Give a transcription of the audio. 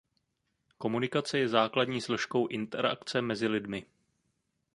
Komunikace je základní složkou interakce mezi lidmi.